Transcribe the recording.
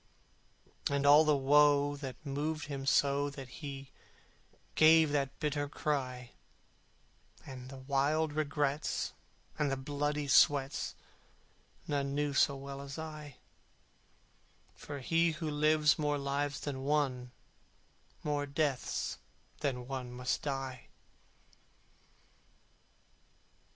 And all the woe that moved him so That he gave that bitter cry, And the wild regrets, and the bloody sweats, None knew so well as I: For he who lives more lives than one More deaths that one must die.